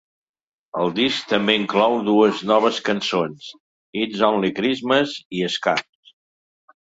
El disc també inclou dues noves cançons, "Its Only Christmas" i "Scars".